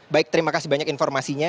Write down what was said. baik terima kasih banyak informasinya